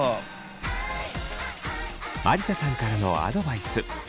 有田さんからのアドバイス。